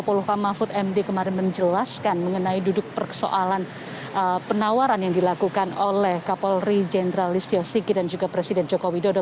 polri kamafut md kemarin menjelaskan mengenai duduk persoalan penawaran yang dilakukan oleh kapolri jendralist yosiki dan juga presiden joko widodo